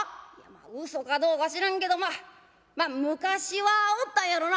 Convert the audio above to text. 「うそかどうか知らんけどまあまあ昔はおったんやろな」。